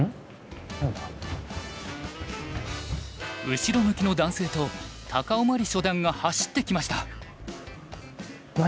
後ろ向きの男性と高雄茉莉初段が走ってきました。